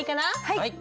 はい。